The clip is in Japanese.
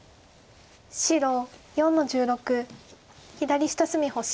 白４の十六左下隅星。